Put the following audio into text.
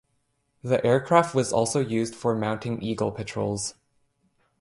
The aircraft was also used for mounting Eagle patrols.